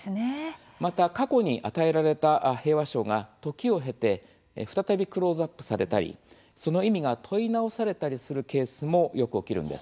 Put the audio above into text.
また過去に与えられた平和賞が時を経て再びクローズアップされたりその意味が問い直されたりすることもよく起きるんです。